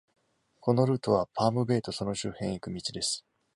このルートは、パームベイとその周辺へ行く道です。